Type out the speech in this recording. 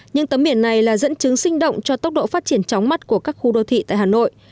những tấm biển này là dẫn chứng sinh động cho tốc độ phát triển chóng mặt của các khu đô thị tại hà nội